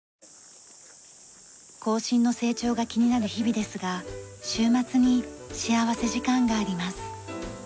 後進の成長が気になる日々ですが週末に幸福時間があります。